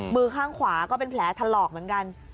มือข้างขวาก็เป็นแผลถลอกเหมือนกัน